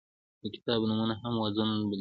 د کتاب نومونه هم وزن بدلوي.